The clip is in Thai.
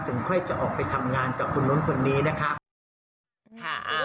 ค่อยจะออกไปทำงานกับคนนู้นคนนี้นะครับ